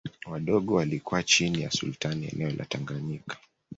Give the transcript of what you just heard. Wadogo walikuwa chini ya Sultani eneo la Tanganyika